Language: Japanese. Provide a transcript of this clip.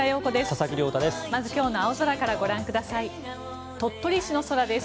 佐々木亮太です。